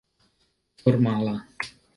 formala